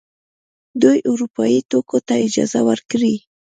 دوی اروپايي توکو ته اجازه ورکړي.